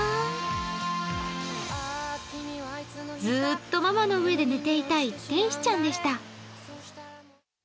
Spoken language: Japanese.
ずーっとママの上で寝ていたい天使ちゃんでした。